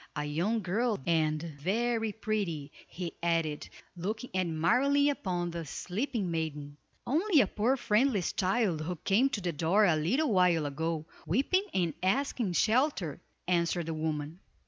A young girl, and very pretty," he added, looking admiringly upon the sleeping maiden. "Only a poor friendless child, who came to the door a little while ago, weeping and asking shelter," answered the woman.